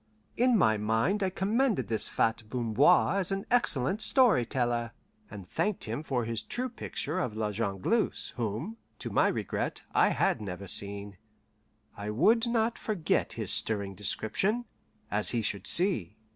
In my mind I commended this fat Bamboir as an excellent story teller, and thanked him for his true picture of La Jongleuse, whom, to my regret, I had never seen. I would not forget his stirring description, as he should see.